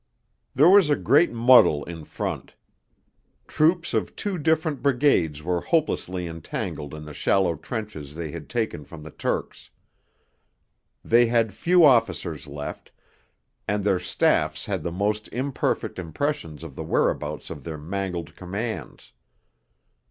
II There was a great muddle in front. Troops of two different brigades were hopelessly entangled in the shallow trenches they had taken from the Turks. They had few officers left, and their staffs had the most imperfect impressions of the whereabouts of their mangled commands.